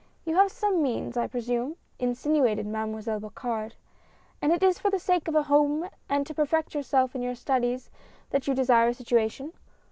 "You have some means, I presume?" insinuated Mademoiselle Bocard, "and it is for the sake of a home and to perfect yourself in your studies that you desire a situation?"